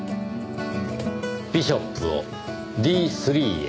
ビショップをｄ３へ。